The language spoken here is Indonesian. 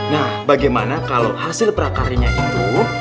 nah bagaimana kalau hasil prakarinya itu